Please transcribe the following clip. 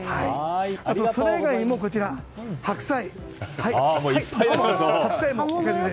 それ以外にも白菜。